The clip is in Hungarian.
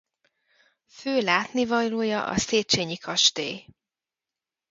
Fő látnivalója a Széchenyi-kastély.